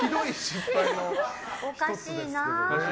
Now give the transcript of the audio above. おかしいな。